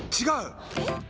違う！